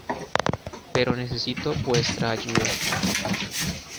Pero necesito vuestra ayuda.